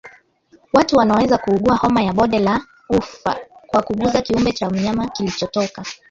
Watu wanaweza kuugua homa ya bonde la ufa kwa kugusa kiumbe cha mnyama kilichotoka